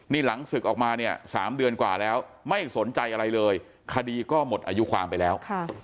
นี่หลังศึกออกมาเนี่ย๓เดือนกว่าแล้วไม่สนใจอะไรเลยคดีก็หมดอายุความไปแล้ว